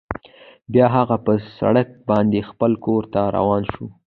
بیا هغه په سړک باندې خپل کور ته روان شو